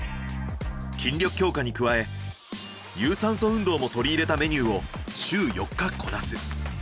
筋力強化に加え有酸素運動も取り入れたメニューを週４日こなす。